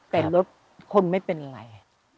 แต่รถคนไม่เป็นไร